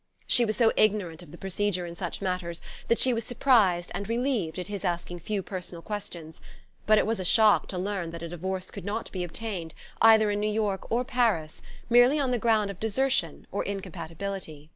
She was so ignorant of the procedure in such matters that she was surprised and relieved at his asking few personal questions; but it was a shock to learn that a divorce could not be obtained, either in New York or Paris, merely on the ground of desertion or incompatibility.